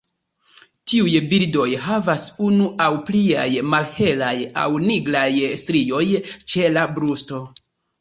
Tiuj birdoj havas unu aŭ pliaj malhelaj aŭ nigraj strioj ĉe la brusto.